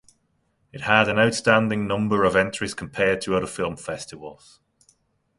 It had an outstanding number of entries compared to other film festivals.